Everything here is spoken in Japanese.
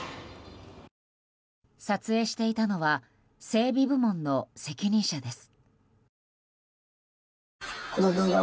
撮影していたのは整備部門の責任者です。